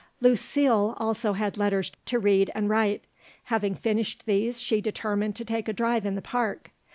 Lucile also had letters to read and write. Having finished these she determined to take a drive in the park.